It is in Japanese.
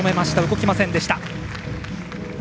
動きませんでした。